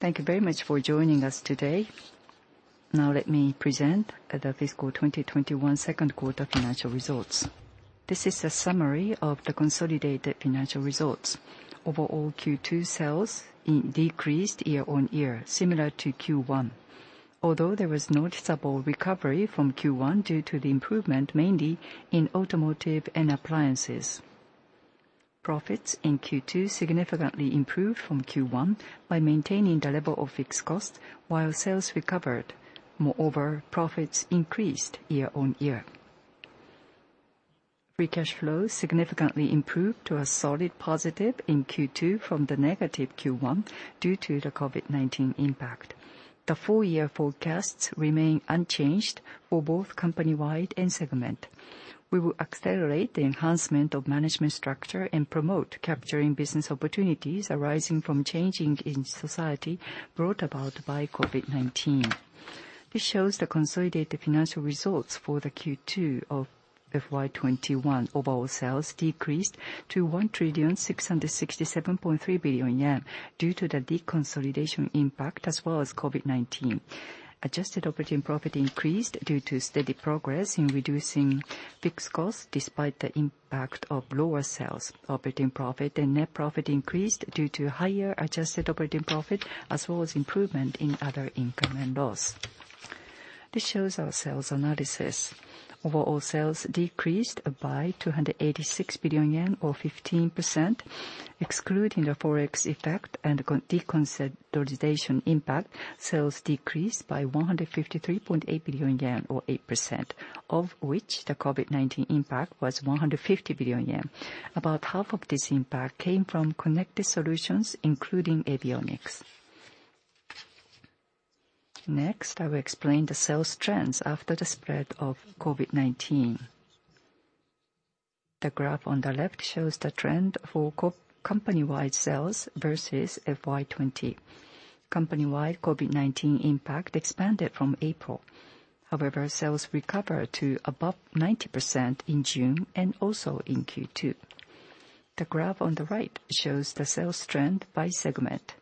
Thank you very much for joining us today. Now, let me present the fiscal 2021 second quarter financial results. This is a summary of the consolidated financial results. Overall, Q2 sales decreased year-on-year, similar to Q1, although there was noticeable recovery from Q1 due to the improvement mainly in automotive and appliances. Profits in Q2 significantly improved from Q1 by maintaining the level of fixed costs, while sales recovered. Moreover, profits increased year-on-year. Free cash flow significantly improved to a solid positive in Q2 from the negative Q1 due to the COVID-19 impact. The four-year forecasts remain unchanged for both company-wide and segment. We will accelerate the enhancement of management structure and promote capturing business opportunities arising from changes in society brought about by COVID-19. This shows the consolidated financial results for the Q2 of FY2021. Overall, sales decreased to 1,667.3 billion yen due to the deconsolidation impact as well as COVID-19. Adjusted operating profit increased due to steady progress in reducing fixed costs despite the impact of lower sales. Operating profit and net profit increased due to higher adjusted operating profit as well as improvement in other income and loss. This shows our sales analysis. Overall, sales decreased by 286 billion yen, or 15%. Excluding the forex effect and deconsolidation impact, sales decreased by 153.8 billion yen, or 8%, of which the COVID-19 impact was 150 billion yen. About half of this impact came from connected solutions, including avionics. Next, I will explain the sales trends after the spread of COVID-19. The graph on the left shows the trend for company-wide sales versus fiscal year 2020. Company-wide COVID-19 impact expanded from April. However, sales recovered to above 90% in June and also in Q2. The graph on the right shows the sales trend by segment.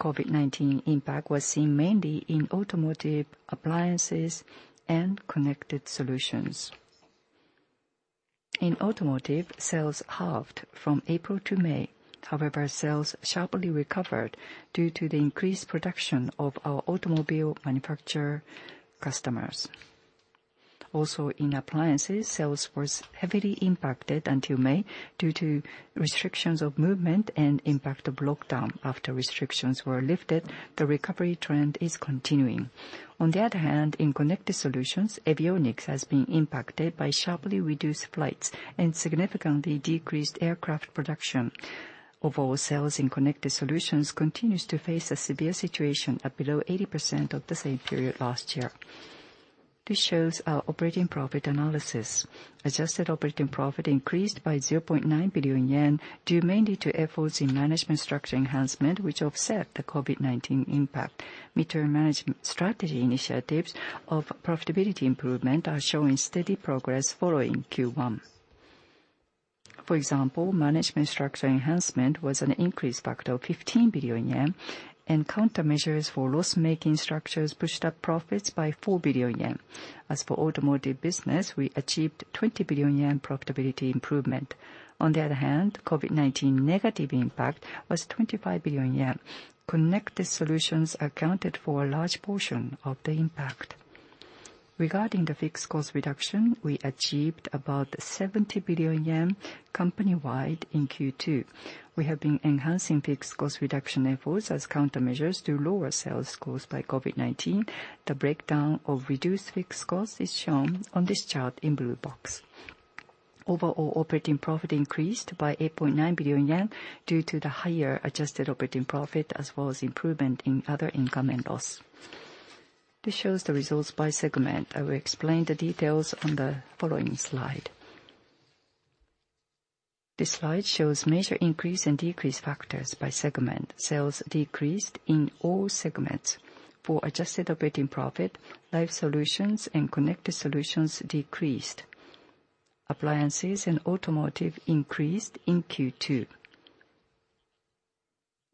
COVID-19 impact was seen mainly in automotive, appliances, and connected solutions. In automotive, sales halved from April to May. However, sales sharply recovered due to the increased production of our automobile manufacturer customers. Also, in appliances, sales were heavily impacted until May due to restrictions of movement and impact of lockdown. After restrictions were lifted, the recovery trend is continuing. On the other hand, in connected solutions, avionics has been impacted by sharply reduced flights and significantly decreased aircraft production. Overall, sales in connected solutions continue to face a severe situation at below 80% of the same period last year. This shows our operating profit analysis. Adjusted operating profit increased by 0.9 billion yen due mainly to efforts in management structure enhancement, which offset the COVID-19 impact. Mid-term management strategy initiatives of profitability improvement are showing steady progress following Q1. For example, management structure enhancement was an increased factor of 15 billion yen, and countermeasures for loss-making structures pushed up profits by 4 billion yen. As for automotive business, we achieved 20 billion yen profitability improvement. On the other hand, COVID-19 negative impact was 25 billion yen. Connected solutions accounted for a large portion of the impact. Regarding the fixed cost reduction, we achieved about 70 billion yen company-wide in Q2. We have been enhancing fixed cost reduction efforts as countermeasures to lower sales caused by COVID-19. The breakdown of reduced fixed costs is shown on this chart in blue box. Overall, operating profit increased by 8.9 billion yen due to the higher adjusted operating profit as well as improvement in other income and loss. This shows the results by segment. I will explain the details on the following slide. This slide shows major increase and decrease factors by segment. Sales decreased in all segments. For adjusted operating profit, life solutions and connected solutions decreased. Appliances and automotive increased in Q2.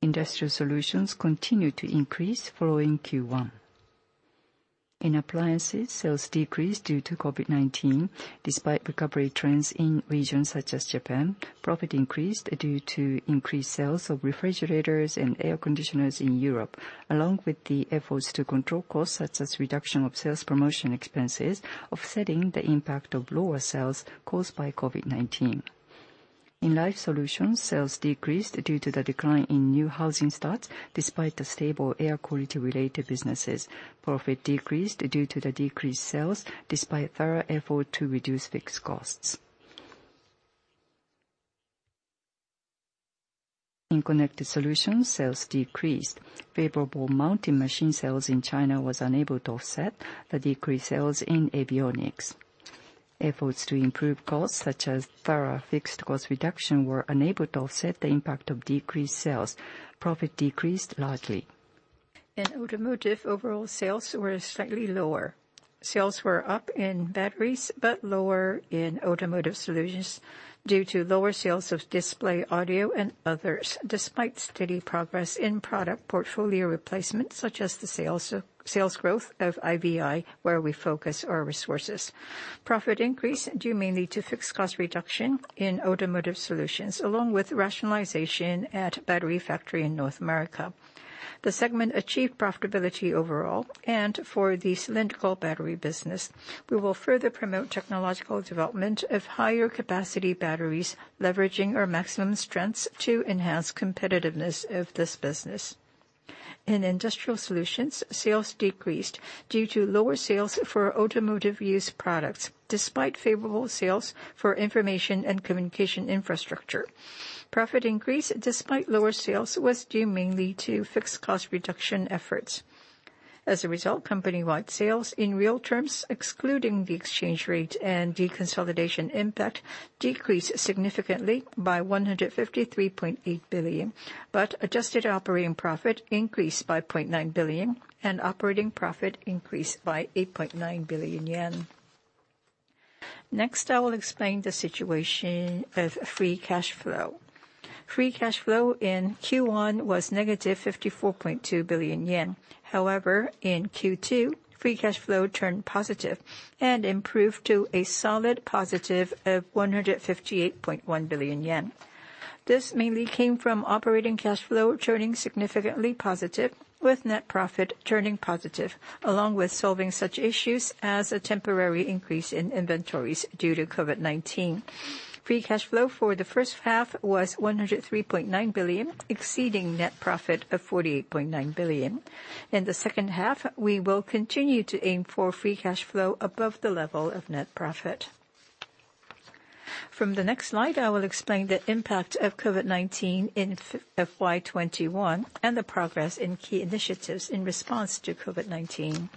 Industrial solutions continued to increase following Q1. In appliances, sales decreased due to COVID-19. Despite recovery trends in regions such as Japan, profit increased due to increased sales of refrigerators and air conditioners in Europe, along with the efforts to control costs such as reduction of sales promotion expenses, offsetting the impact of lower sales caused by COVID-19. In life solutions, sales decreased due to the decline in new housing starts despite the stable air quality-related businesses. Profit decreased due to the decreased sales despite thorough effort to reduce fixed costs. In connected solutions, sales decreased. Favorable mounting machine sales in China were unable to offset the decreased sales in avionics. Efforts to improve costs, such as thorough fixed cost reduction, were unable to offset the impact of decreased sales. Profit decreased largely. In automotive, overall sales were slightly lower. Sales were up in batteries but lower in automotive solutions due to lower sales of display, audio, and others, despite steady progress in product portfolio replacement, such as the sales growth of IVI, where we focus our resources. Profit increased due mainly to fixed cost reduction in automotive solutions, along with rationalization at a battery factory in North America. The segment achieved profitability overall, and for the cylindrical battery business. We will further promote technological development of higher capacity batteries, leveraging our maximum strengths to enhance competitiveness of this business. In industrial solutions, sales decreased due to lower sales for automotive-use products, despite favorable sales for information and communication infrastructure. Profit increase despite lower sales was due mainly to fixed cost reduction efforts. As a result, company-wide sales in real terms, excluding the exchange rate and deconsolidation impact, decreased significantly by 153.8 billion, but adjusted operating profit increased by 0.9 billion, and operating profit increased by 8.9 billion yen. Next, I will explain the situation of free cash flow. Free cash flow in Q1 was negative 54.2 billion yen. However, in Q2, free cash flow turned positive and improved to a solid positive of 158.1 billion yen. This mainly came from operating cash flow turning significantly positive, with net profit turning positive, along with solving such issues as a temporary increase in inventories due to COVID-19. Free cash flow for the first half was 103.9 billion, exceeding net profit of 48.9 billion. In the second half, we will continue to aim for free cash flow above the level of net profit. From the next slide, I will explain the impact of COVID-19 in FY2021 and the progress in key initiatives in response to COVID-19.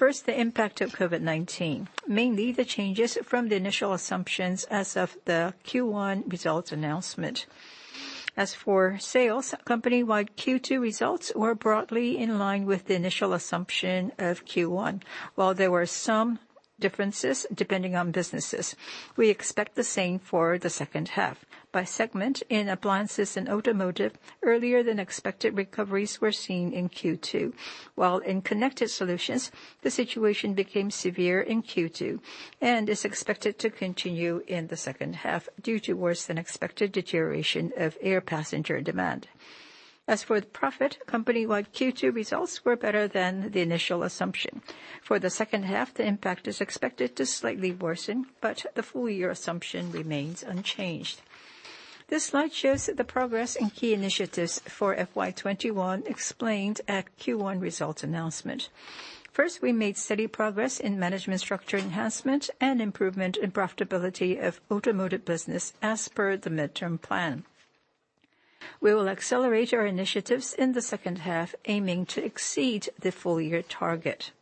First, the impact of COVID-19, mainly the changes from the initial assumptions as of the Q1 results announcement. As for sales, company-wide Q2 results were broadly in line with the initial assumption of Q1, while there were some differences depending on businesses. We expect the same for the second half. By segment, in appliances and automotive, earlier than expected recoveries were seen in Q2, while in connected solutions, the situation became severe in Q2 and is expected to continue in the second half due to worse-than-expected deterioration of air passenger demand. As for the profit, company-wide Q2 results were better than the initial assumption. For the second half, the impact is expected to slightly worsen, but the full-year assumption remains unchanged. This slide shows the progress in key initiatives for FY2021 explained at Q1 results announcement. First, we made steady progress in management structure enhancement and improvement in profitability of automotive business as per the midterm plan. We will accelerate our initiatives in the second half, aiming to exceed the full-year target.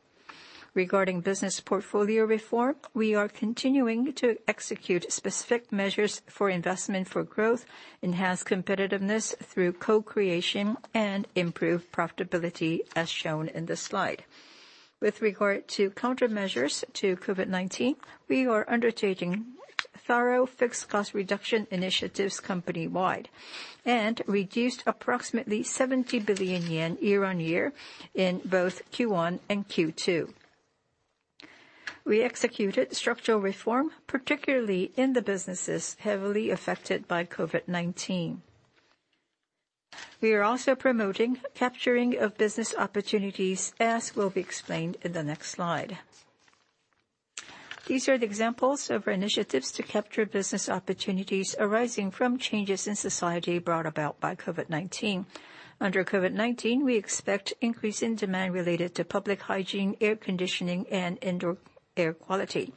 Regarding business portfolio reform, we are continuing to execute specific measures for investment for growth, enhance competitiveness through co-creation, and improve profitability as shown in the slide. With regard to countermeasures to COVID-19, we are undertaking thorough fixed cost reduction initiatives company-wide and reduced approximately 70 billion yen year-on-year in both Q1 and Q2. We executed structural reform, particularly in the businesses heavily affected by COVID-19. We are also promoting capturing of business opportunities, as will be explained in the next slide. These are the examples of our initiatives to capture business opportunities arising from changes in society brought about by COVID-19. Under COVID-19, we expect increase in demand related to public hygiene, air conditioning, and indoor air quality,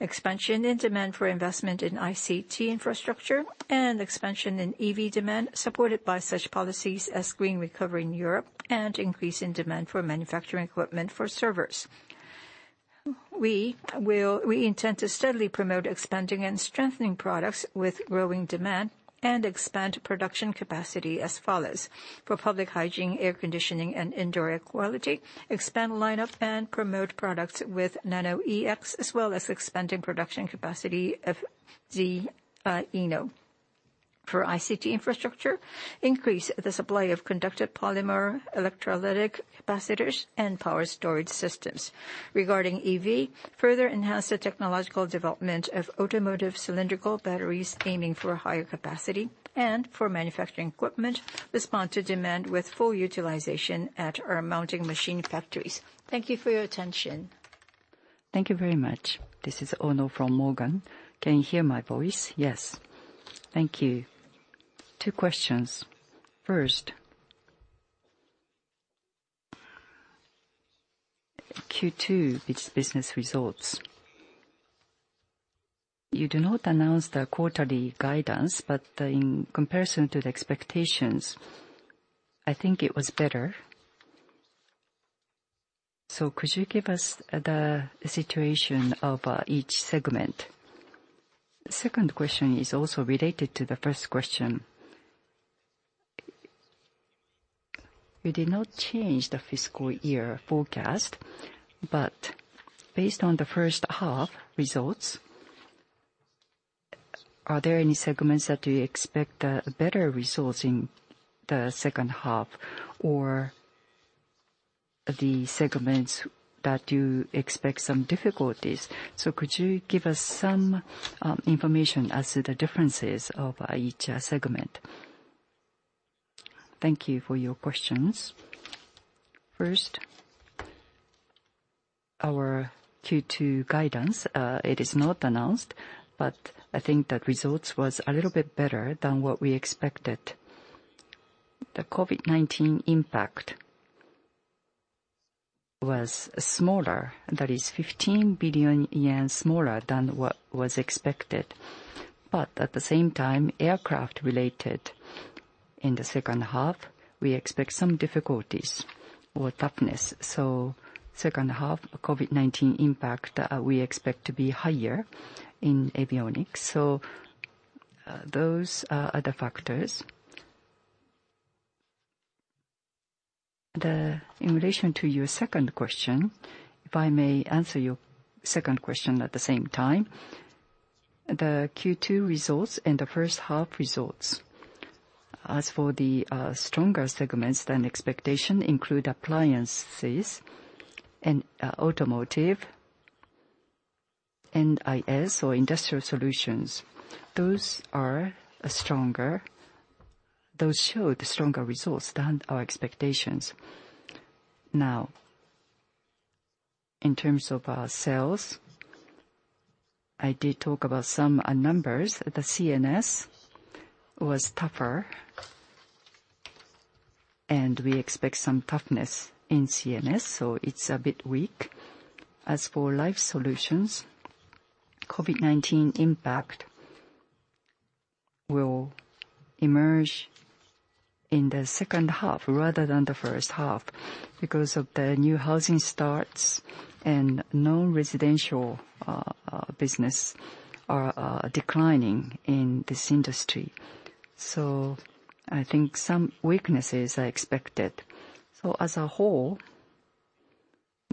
expansion in demand for investment in ICT infrastructure, and expansion in EV demand supported by such policies as green recovery in Europe and increase in demand for manufacturing equipment for servers. We intend to steadily promote expanding and strengthening products with growing demand and expand production capacity as follows: for public hygiene, air conditioning, and indoor air quality, expand lineup and promote products with NanoEX, as well as expanding production capacity of ZENO. For ICT infrastructure, increase the supply of conductive polymer, electrolytic capacitors, and power storage systems. Regarding EV, further enhance the technological development of automotive cylindrical batteries aiming for higher capacity and for manufacturing equipment, respond to demand with full utilization at our mounting machine factories. Thank you for your attention. Thank you very much. This is Ono from Morgan Stanley. Can you hear my voice? Yes. Thank you. Two questions. First, Q2 business results. You do not announce the quarterly guidance, but in comparison to the expectations, I think it was better. Could you give us the situation of each segment? The second question is also related to the first question. You did not change the fiscal year forecast, but based on the first half results, are there any segments that you expect better results in the second half or the segments that you expect some difficulties? Could you give us some information as to the differences of each segment? Thank you for your questions. First, our Q2 guidance, it is not announced, but I think that results was a little bit better than what we expected. The COVID-19 impact was smaller, that is, 15 billion yen smaller than what was expected. At the same time, aircraft-related, in the second half, we expect some difficulties or toughness. Second half, COVID-19 impact, we expect to be higher in avionics. Those are the factors. In relation to your second question, if I may answer your second question at the same time, the Q2 results and the first half results, as for the stronger segments than expectation, include appliances and automotive and IS or industrial solutions. Those are stronger. Those showed stronger results than our expectations. Now, in terms of sales, I did talk about some numbers. The CNS was tougher, and we expect some toughness in CNS, so it's a bit weak. As for life solutions, COVID-19 impact will emerge in the second half rather than the first half because of the new housing starts and non-residential business declining in this industry. I think some weaknesses are expected. As a whole,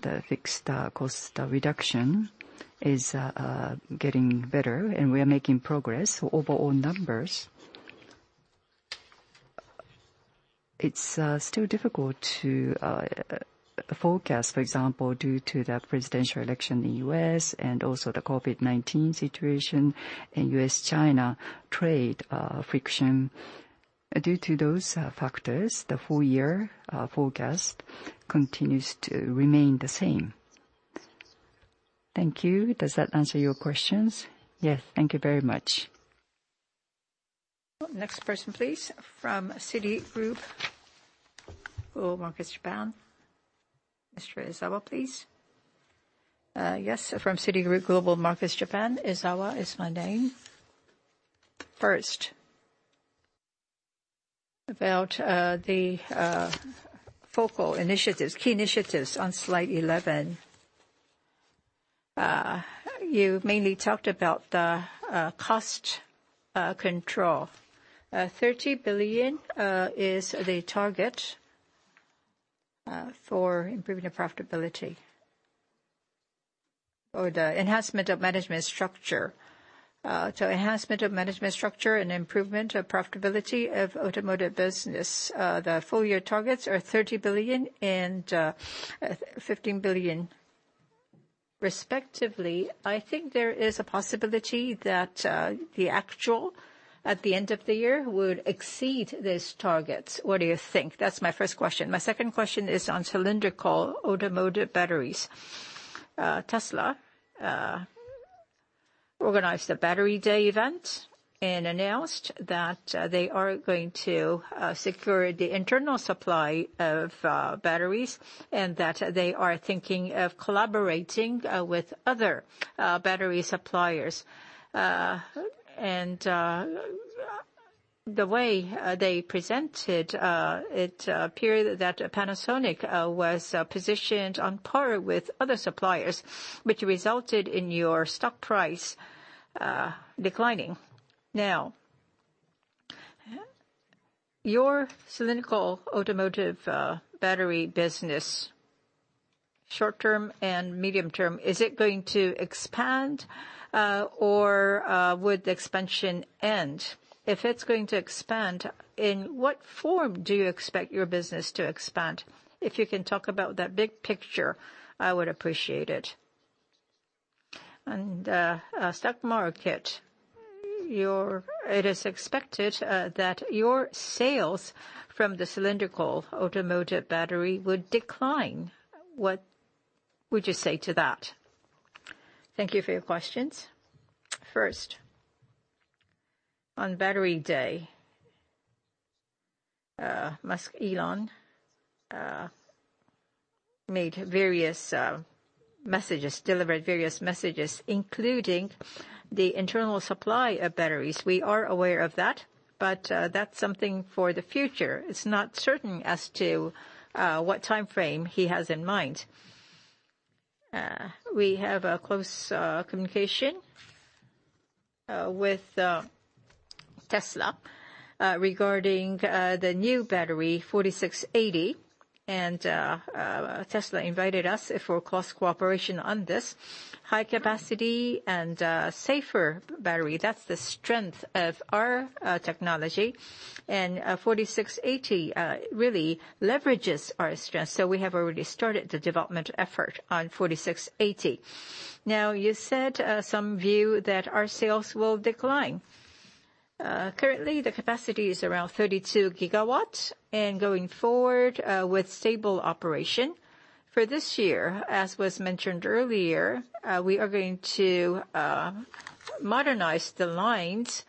the fixed cost reduction is getting better, and we are making progress overall numbers. It's still difficult to forecast, for example, due to the presidential election in the U.S. and also the COVID-19 situation and U.S.-China trade friction. Due to those factors, the full-year forecast continues to remain the same. Thank you. Does that answer your questions? Yes. Thank you very much. Next person, please, from Citigroup Global Markets Japan. Mr. Ezawa, please. Yes, from Citigroup Global Markets Japan. Ezawa is my name. First, about the focal initiatives, key initiatives on slide 11. You mainly talked about the cost control. 30 billion is the target for improving the profitability or the enhancement of management structure. So enhancement of management structure and improvement of profitability of automotive business. The full-year targets are 30 billion and 15 billion, respectively. I think there is a possibility that the actual at the end of the year would exceed these targets. What do you think? That is my first question. My second question is on cylindrical automotive batteries. Tesla organized a Battery Day event and announced that they are going to secure the internal supply of batteries and that they are thinking of collaborating with other battery suppliers. The way they presented it appeared that Panasonic was positioned on par with other suppliers, which resulted in your stock price declining. Now, your cylindrical automotive battery business, short-term and medium-term, is it going to expand or would the expansion end? If it's going to expand, in what form do you expect your business to expand? If you can talk about that big picture, I would appreciate it. Stock market, it is expected that your sales from the cylindrical automotive battery would decline. What would you say to that? Thank you for your questions. First, on Battery Day, Elon made various messages, delivered various messages, including the internal supply of batteries. We are aware of that, but that's something for the future. It's not certain as to what time frame he has in mind. We have a close communication with Tesla regarding the new battery, 4680, and Tesla invited us for close cooperation on this. High-capacity and safer battery, that's the strength of our technology, and 4680 really leverages our strength. We have already started the development effort on 4680. You said some view that our sales will decline. Currently, the capacity is around 32 GW, and going forward with stable operation. For this year, as was mentioned earlier, we are going to modernize the lines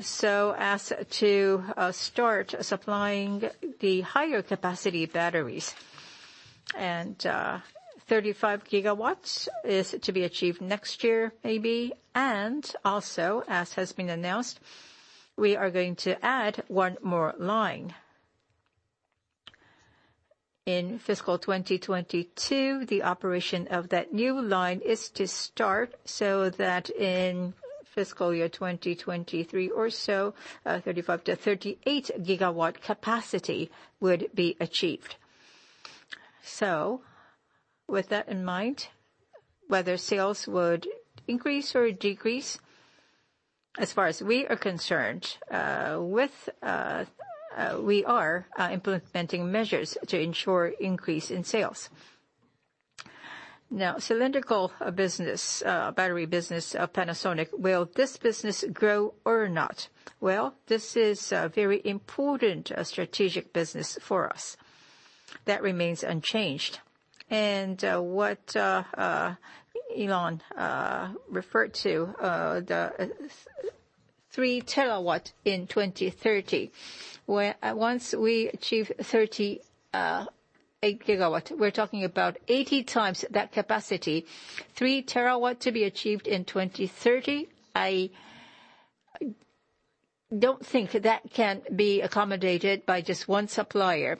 so as to start supplying the higher-capacity batteries. Thirty-five GW is to be achieved next year, maybe. Also, as has been announced, we are going to add one more line. In fiscal 2022, the operation of that new line is to start so that in fiscal year 2023 or so, 35-38 GW capacity would be achieved. With that in mind, whether sales would increase or decrease, as far as we are concerned, we are implementing measures to ensure increase in sales. Now, cylindrical business, battery business of Panasonic, will this business grow or not? This is a very important strategic business for us. That remains unchanged. What Elon referred to, the 3 TW in 2030, once we achieve 30 GW, we are talking about 80 times that capacity, 3 TW to be achieved in 2030. I do not think that can be accommodated by just one supplier.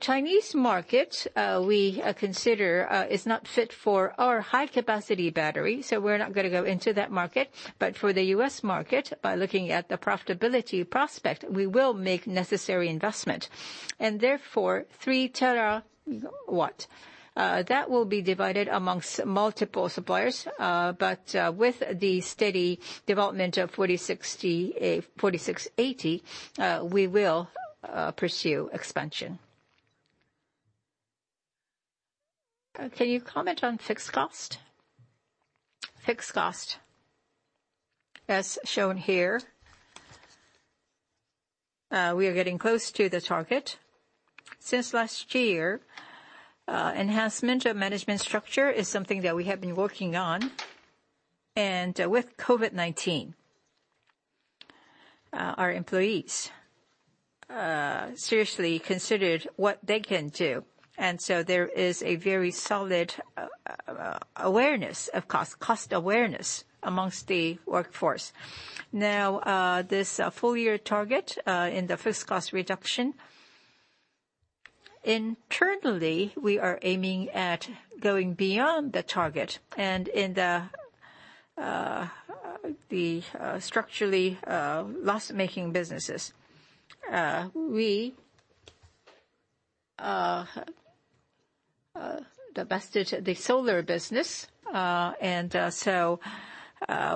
Chinese market, we consider is not fit for our high-capacity battery, so we are not going to go into that market. For the U.S. market, by looking at the profitability prospect, we will make necessary investment. Therefore, 3 TW, that will be divided amongst multiple suppliers. With the steady development of 4680, we will pursue expansion. Can you comment on fixed cost? Fixed cost, as shown here, we are getting close to the target. Since last year, enhancement of management structure is something that we have been working on. With COVID-19, our employees seriously considered what they can do. There is a very solid awareness of cost, cost awareness amongst the workforce. This full-year target in the fixed cost reduction, internally, we are aiming at going beyond the target. In the structurally loss-making businesses, we divested the solar business.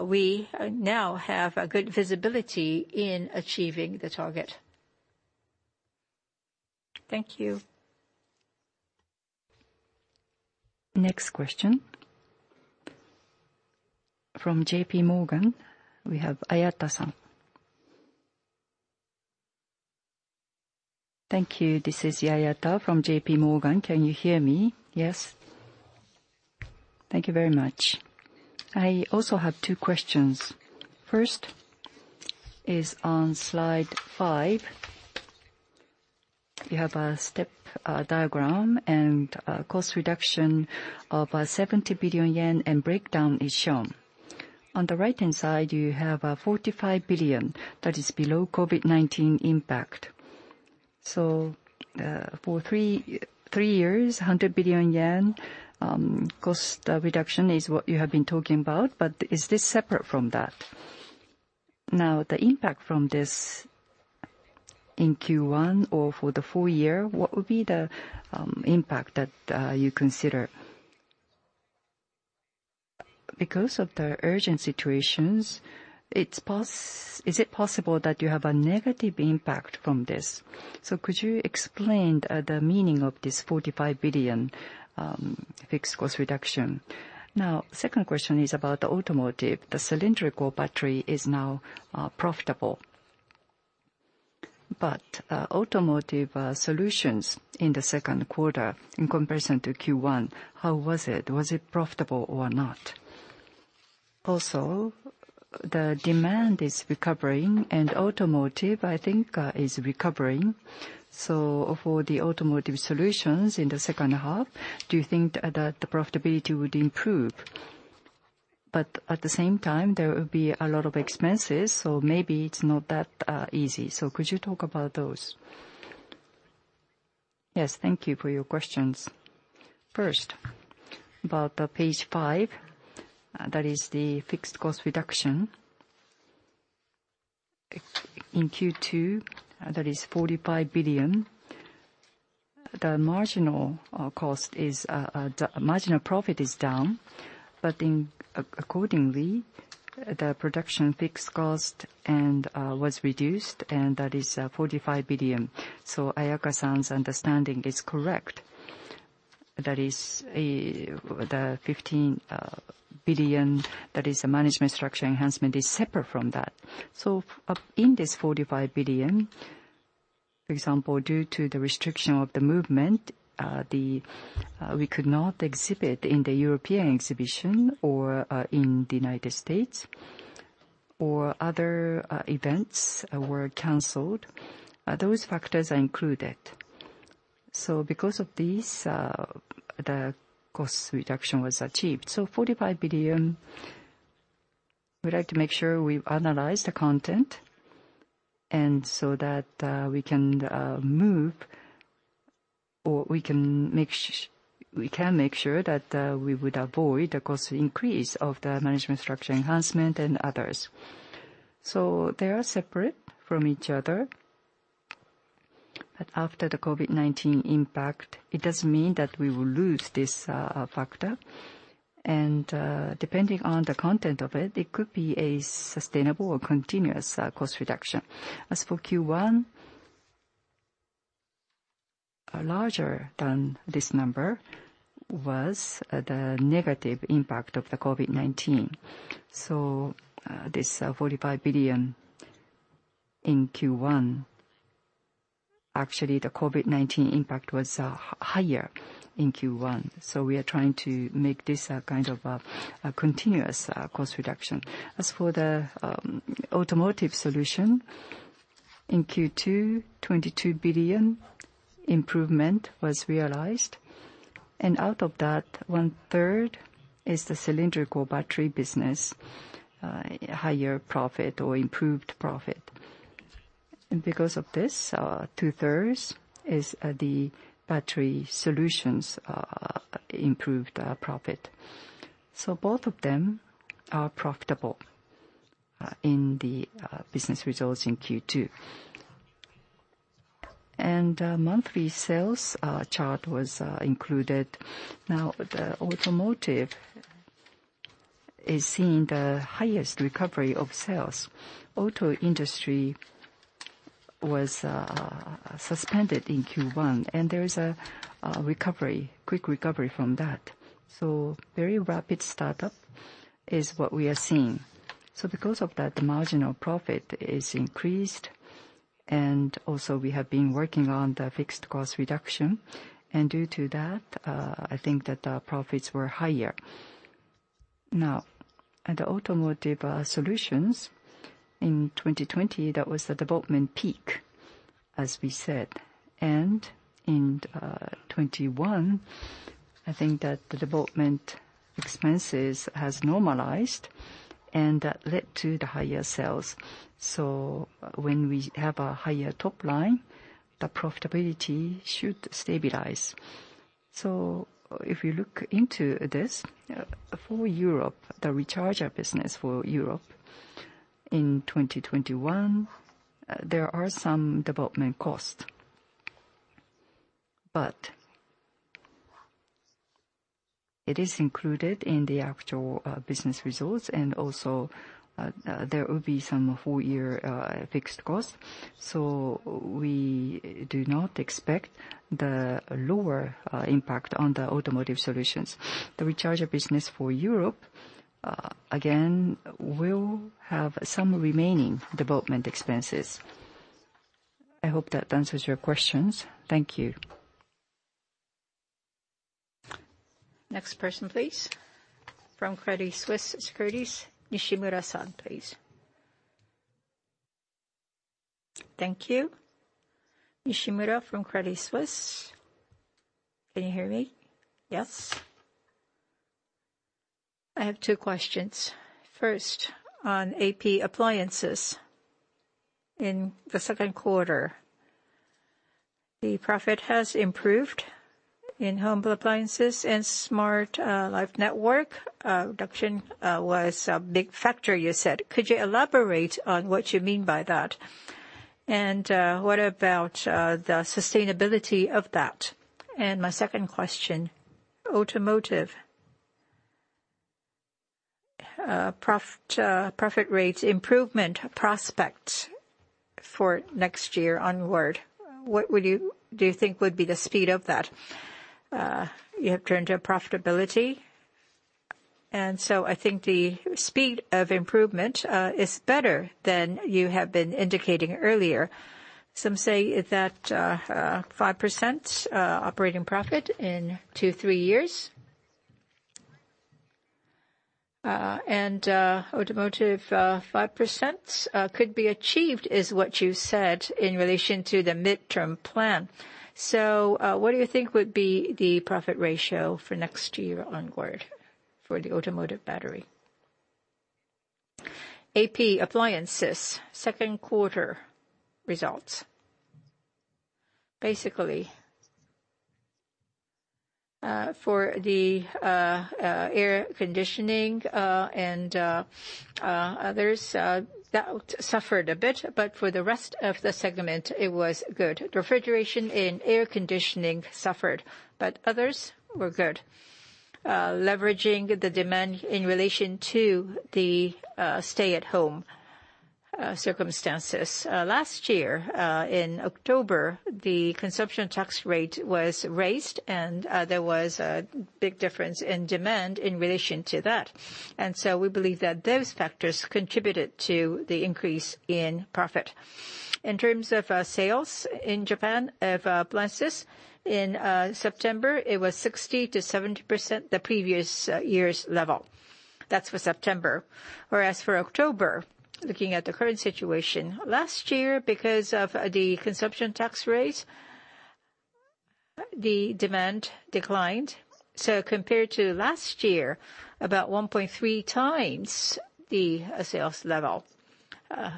We now have good visibility in achieving the target. Thank you. Next question from JPMorgan. We have Ayata-san. Thank you. This is Ayata from JPMorgan. Can you hear me? Yes. Thank you very much. I also have two questions. First is on slide 5. You have a step diagram and cost reduction of 70 billion yen and breakdown is shown. On the right-hand side, you have 45 billion. That is below COVID-19 impact. For three years, 100 billion yen cost reduction is what you have been talking about. Is this separate from that? Now, the impact from this in Q1 or for the full year, what would be the impact that you consider? Because of the urgent situations, is it possible that you have a negative impact from this? Could you explain the meaning of this 45 billion fixed cost reduction? The second question is about the automotive. The cylindrical battery is now profitable. Automotive solutions in the second quarter in comparison to Q1, how was it? Was it profitable or not? Also, the demand is recovering, and automotive, I think, is recovering. For the automotive solutions in the second half, do you think that the profitability would improve? At the same time, there will be a lot of expenses, so maybe it is not that easy. Could you talk about those? Yes. Thank you for your questions. First, about page 5, that is the fixed cost reduction. In Q2, that is 45 billion. The marginal cost is marginal profit is down. Accordingly, the production fixed cost was reduced, and that is 45 billion. Ayata-san's understanding is correct. That is the 15 billion. The management structure enhancement is separate from that. In this 45 billion, for example, due to the restriction of the movement, we could not exhibit in the European exhibition or in the U.S., or other events were canceled. Those factors are included. Because of these, the cost reduction was achieved. 45 billion, we would like to make sure we analyze the content so that we can move or we can make sure that we would avoid the cost increase of the management structure enhancement and others. They are separate from each other. After the COVID-19 impact, it does not mean that we will lose this factor. Depending on the content of it, it could be a sustainable or continuous cost reduction. As for Q1, larger than this number was the negative impact of the COVID-19. This JPY 45 billion in Q1, actually, the COVID-19 impact was higher in Q1. We are trying to make this a kind of a continuous cost reduction. As for the automotive solution, in Q2, 22 billion improvement was realized. Out of that, one-third is the cylindrical battery business, higher profit or improved profit. Because of this, two-thirds is the battery solutions improved profit. Both of them are profitable in the business results in Q2. The monthly sales chart was included. Now, the automotive is seeing the highest recovery of sales. auto industry was suspended in Q1, and there is a recovery, quick recovery from that. Very rapid startup is what we are seeing. Because of that, the marginal profit is increased. We have been working on the fixed cost reduction. Due to that, I think that the profits were higher. Now, the automotive solutions in 2020, that was the development peak, as we said. In 2021, I think that the development expenses have normalized, and that led to the higher sales. When we have a higher top line, the profitability should stabilize. If you look into this, for Europe, the recharger business for Europe in 2021, there are some development costs. It is included in the actual business results. There will be some full-year fixed costs. We do not expect the lower impact on the automotive solutions. The recharger business for Europe, again, will have some remaining development expenses. I hope that answers your questions. Thank you. Next person, please. From Credit Suisse Securities, Nishimura-san, please. Thank you. Nishimura from Credit Suisse. Can you hear me? Yes. I have two questions. First, on AP appliances. In the second quarter, the profit has improved in home appliances and smart life network. Reduction was a big factor, you said. Could you elaborate on what you mean by that? What about the sustainability of that? My second question, automotive. Profit rate improvement prospect for next year onward. What do you think would be the speed of that? You have turned to profitability. I think the speed of improvement is better than you have been indicating earlier. Some say that 5% operating profit in two, three years. Automotive, 5% could be achieved is what you said in relation to the midterm plan. What do you think would be the profit ratio for next year onward for the automotive battery? AP appliances, second quarter results. Basically, for the air conditioning and others, that suffered a bit. For the rest of the segment, it was good. Refrigeration and air conditioning suffered. Others were good. Leveraging the demand in relation to the stay-at-home circumstances. Last year, in October, the consumption tax rate was raised, and there was a big difference in demand in relation to that. We believe that those factors contributed to the increase in profit. In terms of sales in Japan of appliances, in September, it was 60-70% the previous year's level. That is for September. Whereas for October, looking at the current situation, last year, because of the consumption tax rate, the demand declined. Compared to last year, about 1.3 times the sales level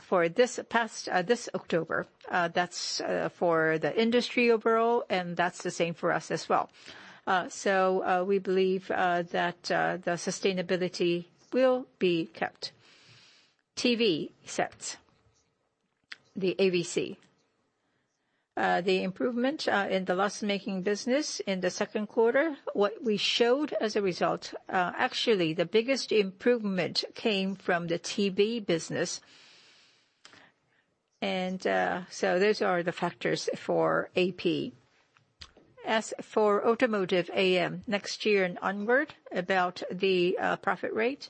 for this past October. That is for the industry overall, and that is the same for us as well. We believe that the sustainability will be kept. TV sets, the AVC. The improvement in the loss-making business in the second quarter, what we showed as a result, actually, the biggest improvement came from the TV business. Those are the factors for AP. As for automotive AM, next year and onward, about the profit rate,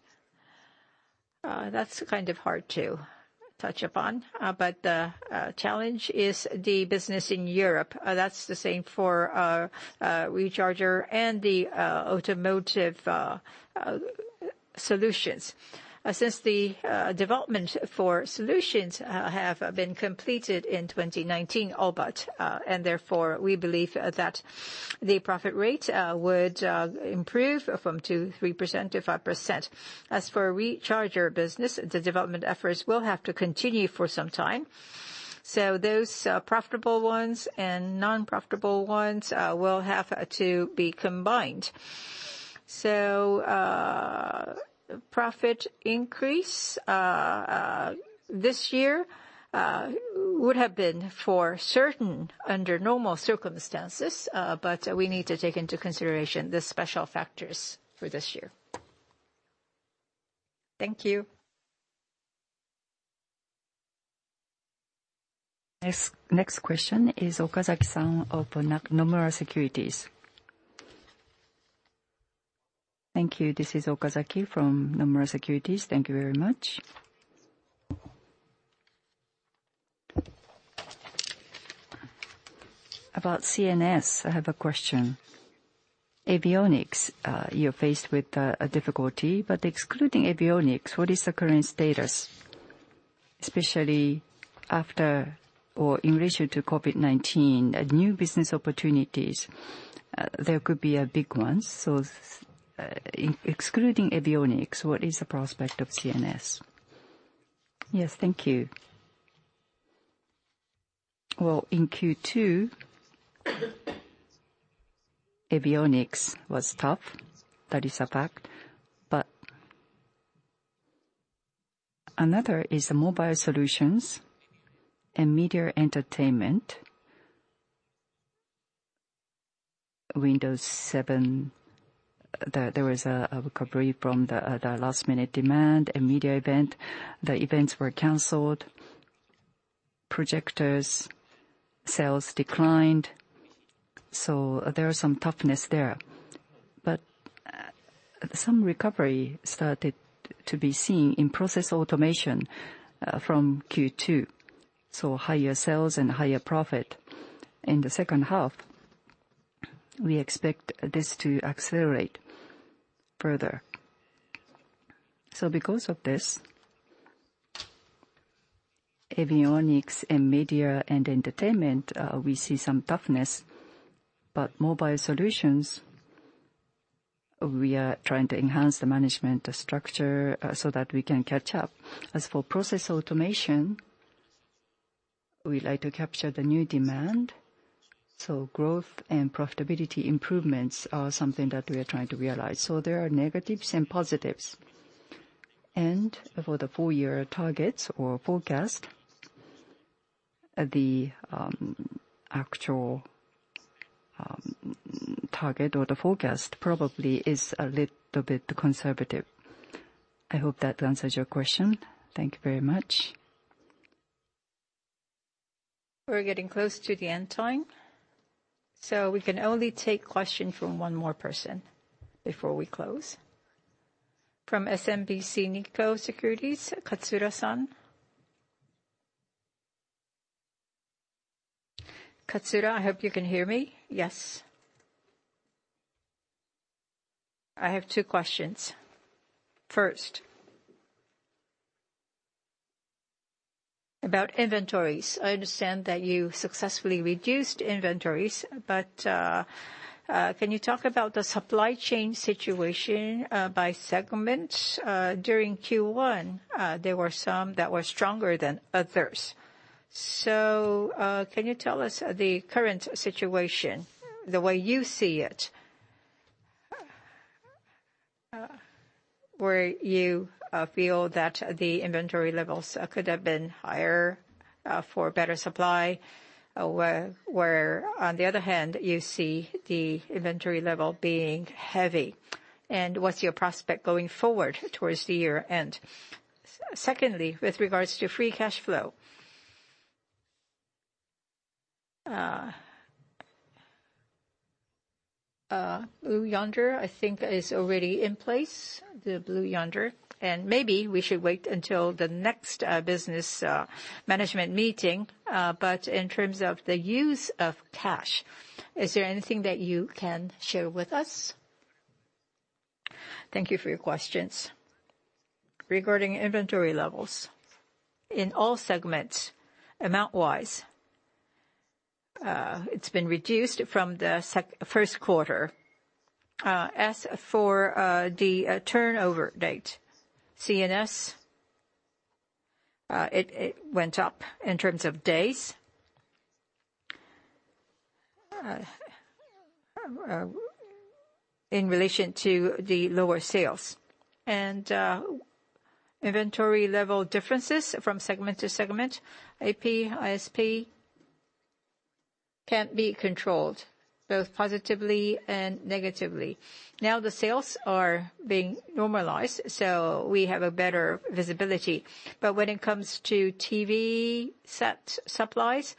that is kind of hard to touch upon. The challenge is the business in Europe. That is the same for recharger and the automotive solutions. Since the development for solutions have been completed in 2019, all but, and therefore, we believe that the profit rate would improve from 2-3% to 5%. As for recharger business, the development efforts will have to continue for some time. Those profitable ones and non-profitable ones will have to be combined. Profit increase this year would have been for certain under normal circumstances. We need to take into consideration the special factors for this year. Thank you. Next question is Okazaki-san of Nomura Securities. Thank you. This is Okazaki from Nomura Securities. Thank you very much. About CNS, I have a question. Avionics, you're faced with difficulty. Excluding Avionics, what is the current status, especially after or in relation to COVID-19? New business opportunities, there could be a big one. Excluding Avionics, what is the prospect of CNS? Yes, thank you. In Q2, Avionics was tough. That is a fact. Another is mobile solutions and media entertainment. Windows 7, there was a recovery from the last-minute demand and media event. The events were canceled. Projectors sales declined. There is some toughness there. Some recovery started to be seen in process automation from Q2. Higher sales and higher profit in the second half are expected. We expect this to accelerate further. Because of this, Avionics and media and entertainment, we see some toughness. Mobile solutions, we are trying to enhance the management structure so that we can catch up. As for process automation, we like to capture the new demand. Growth and profitability improvements are something that we are trying to realize. There are negatives and positives. For the full-year targets or forecast, the actual target or the forecast probably is a little bit conservative. I hope that answers your question. Thank you very much. We are getting close to the end time. We can only take questions from one more person before we close. From SMBC Nikko Securities, Katsura-san. Katsura, I hope you can hear me. Yes. I have two questions. First, about inventories. I understand that you successfully reduced inventories. Can you talk about the supply chain situation by segment? During Q1, there were some that were stronger than others. Can you tell us the current situation, the way you see it? Where you feel that the inventory levels could have been higher for better supply, where on the other hand, you see the inventory level being heavy? What is your prospect going forward towards the year end? Secondly, with regards to free cash flow. Blue Yonder, I think, is already in place, the Blue Yonder. Maybe we should wait until the next business management meeting. In terms of the use of cash, is there anything that you can share with us? Thank you for your questions. Regarding inventory levels, in all segments, amount-wise, it's been reduced from the first quarter. As for the turnover date, CNS, it went up in terms of days in relation to the lower sales. Inventory level differences from segment to segment, AP, ISP can't be controlled, both positively and negatively. Now the sales are being normalized, so we have a better visibility. When it comes to TV set supplies,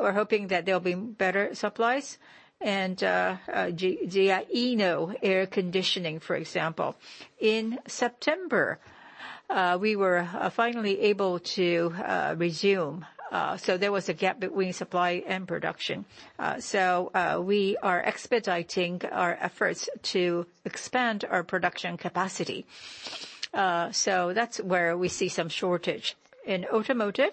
we're hoping that there will be better supplies. GIENO air conditioning, for example. In September, we were finally able to resume. There was a gap between supply and production. We are expediting our efforts to expand our production capacity. That is where we see some shortage. In automotive,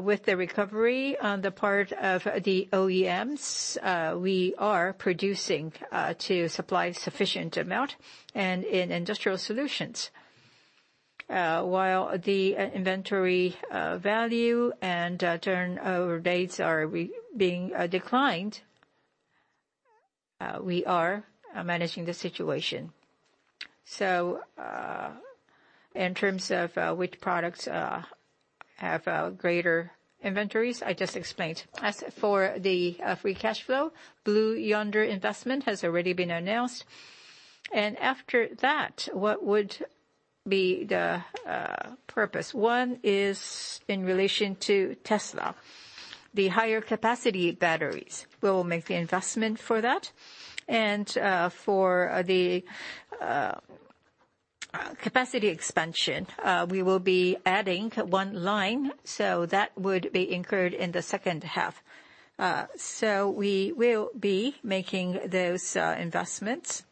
with the recovery on the part of the OEMs, we are producing to supply sufficient amount. In industrial solutions, while the inventory value and turnover rates are being declined, we are managing the situation. In terms of which products have greater inventories, I just explained. As for the free cash flow, Blue Yonder investment has already been announced. After that, what would be the purpose? One is in relation to Tesla, the higher capacity batteries. We will make the investment for that. For the capacity expansion, we will be adding one line. That would be incurred in the second half. We will be making those investments.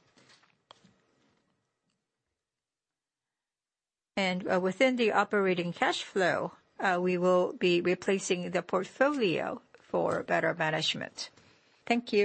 Within the operating cash flow, we will be replacing the portfolio for better management. Thank you.